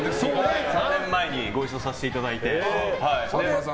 ３年前にご一緒させていただいて。